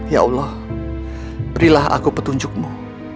ya allah berilah aku petunjukmu